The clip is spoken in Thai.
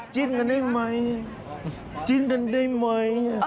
จิ้นกันได้ไหมจิ้นกันได้ไหม